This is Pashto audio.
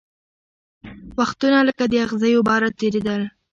وختونه لکه د اغزیو باره تېرېدل